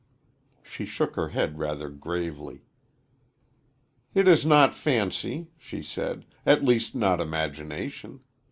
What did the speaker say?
She shook her head rather gravely. "It is not fancy," she said, "at least not imagination.